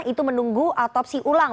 itu menunggu otopsi ulang